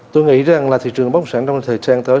tôi nghĩ rằng là thị trường bất sản trong thời gian tới